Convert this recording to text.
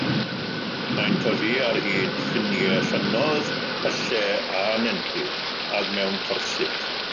Mae'n tyfu ar hyd ffiniau llynnoedd, pyllau a nentydd ac mewn corsydd.